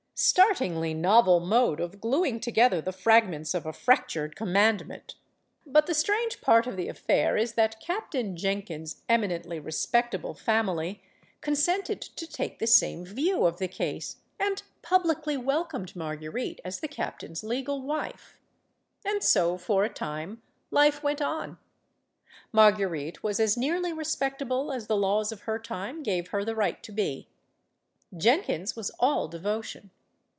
Startingly novel mode of gluing together the "THE MOST GORGEOUS LADY BLESSINGTON" 21 1 fragments of a fractured commandment 1 But the strange part of the affair is that Captain Jenkins' em inently respectable family consented to take the same view of the case and publicly welcomed Marguerite as the captain's legal wife. And so, for a time, life went on. Marguerite was as nearly respectable as the laws of her time gave her the right to be. Jenkins was all devotion.